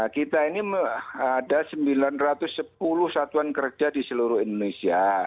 kita ini ada sembilan ratus sepuluh satuan kerja di seluruh indonesia